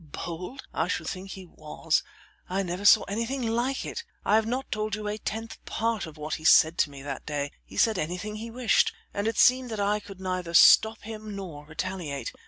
Bold? I should think he was; I never saw anything like it! I have not told you a tenth part of what he said to me that day; he said anything he wished, and it seemed that I could neither stop him nor retaliate.